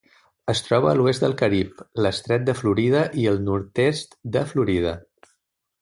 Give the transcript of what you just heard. Es troba a l'oest del Carib, l'Estret de Florida i el nord-est de Florida.